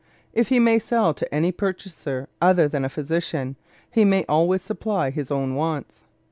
If he may sell to any purchaser other than a physician, he may always supply his own wants.